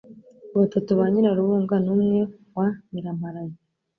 batatu ba Nyiraburunga n' umwe wa Nyiramparaye,